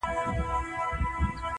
o لو مني، خداى نه مني٫